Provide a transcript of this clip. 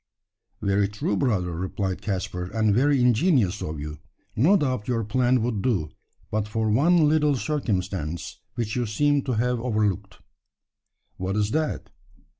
"Very true, brother," replied Caspar, "and very ingenious of you. No doubt your plan would do but for one little circumstance, which you seem to have overlooked." "What is that?"